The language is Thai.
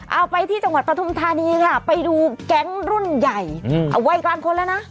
เอาไปที่จังหวัดปฐุมธานีค่ะไปดูแก๊งรุ่นใหญ่วัยกลางคนแล้วนะ